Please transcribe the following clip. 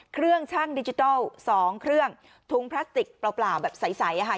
เครื่องช่างดิจิทัล๒เครื่องถุงพลาสติกเปล่าแบบใสค่ะ